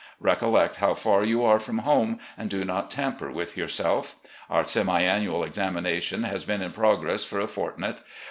Recollect how far you are from home, and do not tamper with yourself. Our semi annual examination has been in progress for a fortnight.